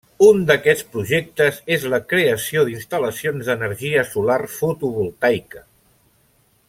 Un d’aquests projectes és la creació d’instal·lacions d’energia solar fotovoltaica.